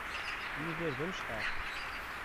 Yidir d amecḥaḥ